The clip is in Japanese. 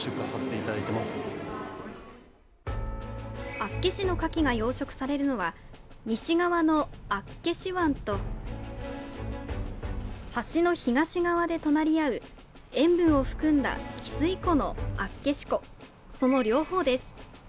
厚岸のカキが養殖されるのは西側の厚岸湾と橋の東側で隣り合う塩分を含んだ汽水湖の厚岸湖、その両方です。